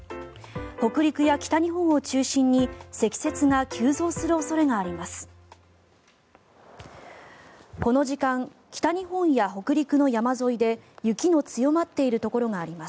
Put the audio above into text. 北陸や北日本を中心に積雪が急増する恐れがあります。